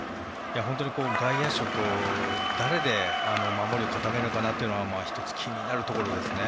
外野手、誰で守りを固めるのかなというのは１つ、気になるところですね。